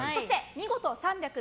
見事３００